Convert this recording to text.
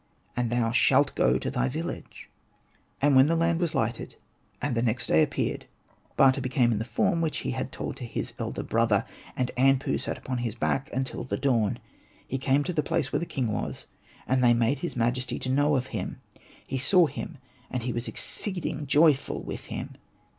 And thou shalt go to thy village.'* Hosted by Google ANPU AND BATA 59 And when the land was lightened, and the next day appeared, Bata became hi the form which he had told to his elder brother. And Anpu sat upon his back until the dawn. He ANPU ON THE BULL came to the place where the king was, and they made his majesty to know of him ; he saw him, and he was exceeding joyful with him.